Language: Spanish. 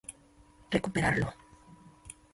recuperarlo